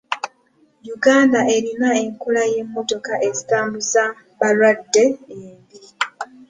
Uganda erina enkola y'emmotoka ezitambuza balwadde embi.